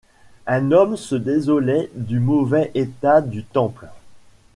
Un homme se désolait du mauvais état du temple.